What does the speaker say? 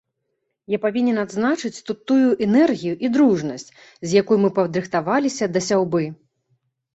Я павінен адзначыць тут тую энергію і дружнасць, з якой мы падрыхтаваліся да сяўбы.